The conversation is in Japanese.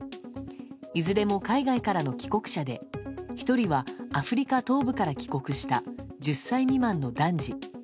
いずれも海外からの帰国者で１人は、アフリカ東部から帰国した１０歳未満の男児。